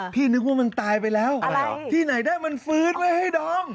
นึกว่ามันตายไปแล้วที่ไหนได้มันฟื้นไว้ให้ดอม